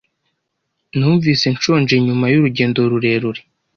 Numvise nshonje nyuma y'urugendo rurerure.